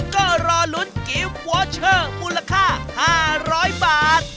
ก็รอลุ้นกิฟต์วอเชอร์มูลค่า๕๐๐บาท